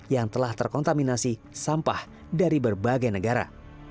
yang telah terkontaminasi sampah dari berbagai negara